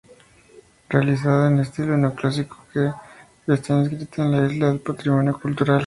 Realizada en estilo neoclásico, que está inscrita en la lista del patrimonio cultural.